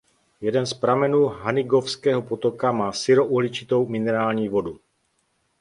Jeden z pramenů Hanigovského potoka má sirouhličitou minerální vodu.